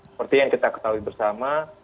seperti yang kita ketahui bersama